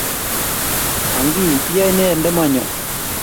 Angii, iyae ne ndama nyo?